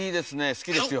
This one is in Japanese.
好きですよ。